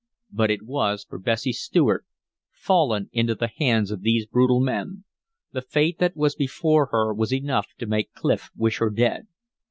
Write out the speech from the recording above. But it was for Bessie Stuart, fallen into the hands of these brutal men. The fate that was before her was enough to make Clif wish her dead.